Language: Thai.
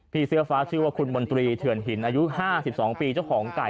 เสื้อฟ้าชื่อว่าคุณมนตรีเถื่อนหินอายุ๕๒ปีเจ้าของไก่